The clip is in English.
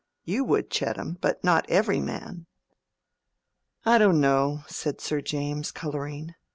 You would, Chettam; but not every man." "I don't know," said Sir James, coloring.